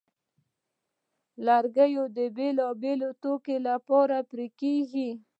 لرګی د بېلابېلو توکو لپاره پرې کېږي.